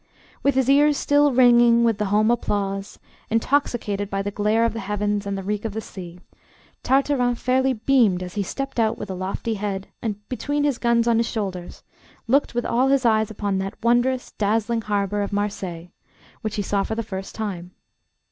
With his ears still ringing with the home applause, intoxicated by the glare of the heavens and the reek of the sea, Tartarin fairly beamed as he stepped out with a lofty head, and between his guns on his shoulders, looking with all his eyes upon that wondrous, dazzling harbour of Marseilles, which he saw for the first time.